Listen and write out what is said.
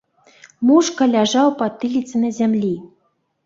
Мушка ляжаў патыліцай на зямлі.